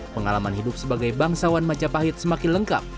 pengalaman hidup sebagai bangsawan majapahit semakin lengkap